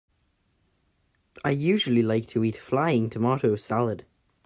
I usually like to eat flying tomato salad.